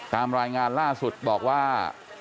ตามรายงานล่าสุดบอกว่า